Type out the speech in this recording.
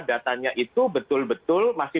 datanya itu betul betul masih